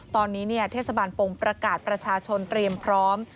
ตอนนี้เทศบาลปงประกาศประชาชนเตรียมพร้อม